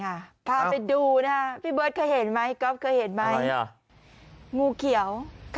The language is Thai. ฟาไปดูนะพี่เบิร์ดเคยเห็นไหมก็คือเห็นมาไหมงูเขียว